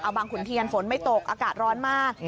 บางขุนเทียนฝนไม่ตกอากาศร้อนมาก